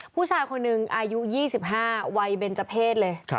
ผู้ชายคนหนึ่งอายุ๒๕วัยเบนเจอร์เพศเลย